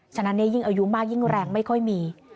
ฉะนั้นยิ่งอายุมากยิ่งแรงไม่ค่อยมี